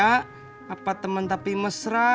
bukan kakak tisna mau kerja